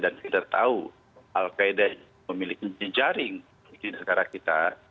dan kita tahu al qaeda memiliki jaring di negara kita